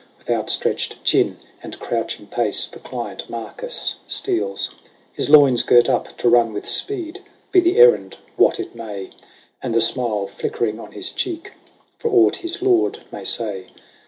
With outstretched chin and crouching pace, the client Marcus steals, His loins girt up to run with speed, be the errand what it may. And the smile flickering on his cheek, for aught his lord may say.